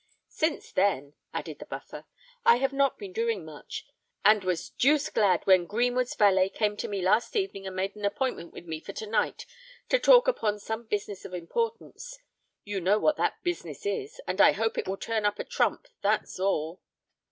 "Since then," added the Buffer, "I have not been doing much, and was deuced glad when Greenwood's valet came to me last evening and made an appointment with me for to night to talk upon some business of importance. You know what that business is; and I hope it will turn up a trump—that's all."